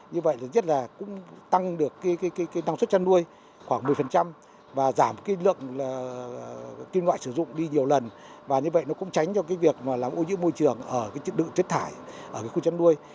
như vậy rất là tăng được năng suất chăn nuôi khoảng một mươi và giảm cái lượng kim loại sử dụng đi nhiều lần và như vậy nó cũng tránh cho cái việc làm ô nhiễm môi trường ở cái chất thải ở cái khu chăn nuôi